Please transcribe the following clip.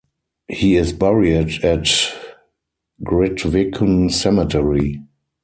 He is buried at Grytviken Cemetery.